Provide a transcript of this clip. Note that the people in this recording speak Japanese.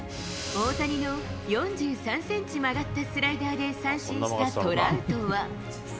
大谷の４３センチ曲がったスライダーで三振したトラウトは。